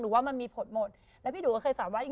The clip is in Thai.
หนูว่ามันมีผลหมดแล้วพี่ดูก็เคยสามารถว่า